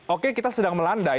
oke kita sedang melandai